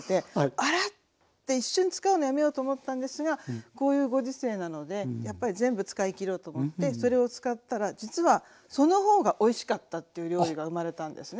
「あら⁉」って一瞬使うのやめようと思ったんですがこういうご時世なのでやっぱり全部使い切ろうと思ってそれを使ったら実はその方がおいしかったという料理が生まれたんですね。